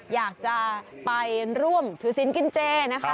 อยากจะไปร่วมกับธุรกิจัลห์นะคะ